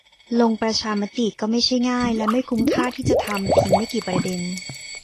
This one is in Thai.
ลงประชามติก็ไม่ใช่ง่ายและไม่คุ้มค่าที่จะทำเพียงไม่กี่ประเด็น